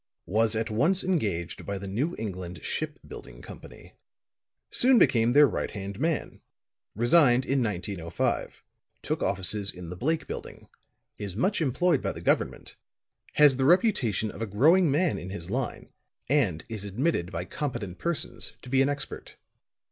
Was at once engaged by the New England Ship Building Company. Soon became their right hand man. Resigned in 1905; took offices in the Blake Building. Is much employed by the Government. Has the reputation of a growing man in his line and is admitted by competent persons to be an expert.